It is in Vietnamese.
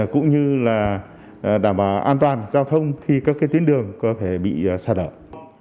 cũng như là đảm bảo an toàn giao thông khi các tuyến đường có thể bị xa đợi